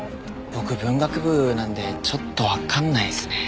僕文学部なんでちょっとわかんないですね。